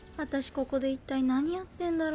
ここで一体何やってんだろ。